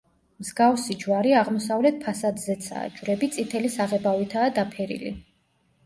მსგავსი ჯვარი აღმოსავლეთ ფასადზეცაა, ჯვრები წითელი საღებავითაა დაფერილი.